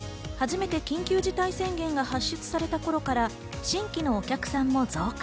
去年４月、初めて緊急事態宣言が発出された頃から新規のお客さんも増加。